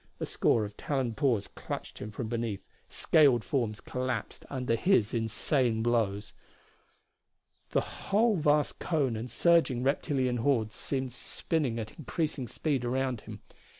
A score of taloned paws clutched him from beneath; scaled forms collapsed under his insane blows. The whole vast cone and surging reptilian hordes seemed spinning at increasing speed around him.